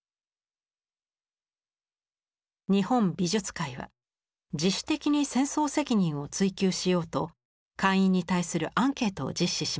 日本美術会は自主的に戦争責任を追及しようと会員に対するアンケートを実施しました。